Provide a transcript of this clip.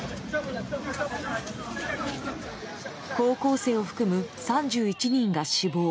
高校生を含む、３１人が死亡。